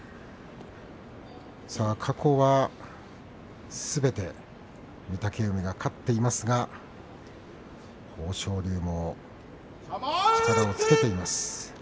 過去はすべて御嶽海が勝っていますが豊昇龍も力をつけています。